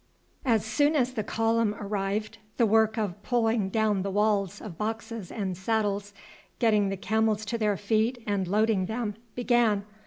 As soon as the column arrived the work of pulling down the walls of boxes and saddles, getting the camels to their feet and loading them, began.